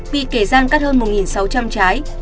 bị kẻ gian cắt hơn một sáu trăm linh trái